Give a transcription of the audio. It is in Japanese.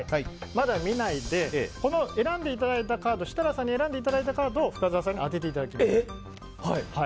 まだ見ないで設楽さんに選んでいただいたカードを深澤さんに当てていただきます。